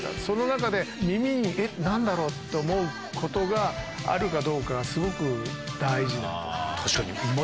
その中で。って思うことがあるかどうかがすごく大事なんです。